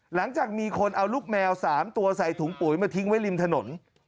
หลังจากมีคนเอาลูกแมว๓ตัวใส่ถุงปุ๋ยมาทิ้งไว้ริมถนน